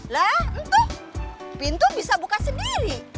lha entuh pintu bisa buka sendiri